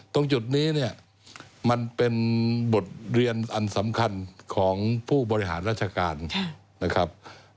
ตรงจุดนี้เนี่ยมันเป็นบทเรียนอันสำคัญของผู้บริหารราชการนะครับ